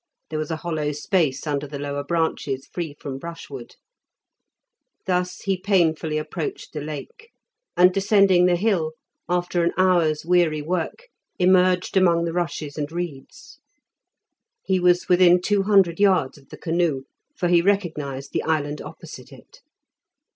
There was a hollow space under the lower branches free from brushwood. Thus he painfully approached the Lake, and descending the hill, after an hour's weary work emerged among the rushes and reeds. He was within two hundred yards of the canoe, for he recognised the island opposite it.